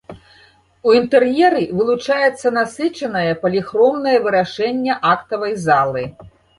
У інтэр'еры вылучаецца насычанае паліхромнае вырашэнне актавай залы.